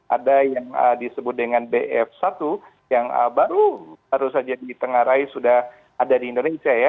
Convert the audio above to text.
ada yang disebut dengan bf satu yang baru saja ditengarai sudah ada di indonesia ya